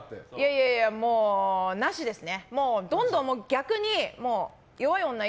いやいや、もう、なしですね。